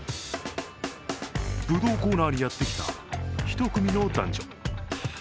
ぶどうコーナーにやってきた１組の男女。